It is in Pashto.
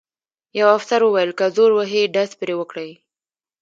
یوه افسر وویل: که زور وهي ډز پرې وکړئ.